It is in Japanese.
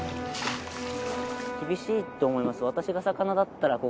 厳しいと思います。